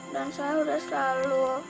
dan saya udah selalu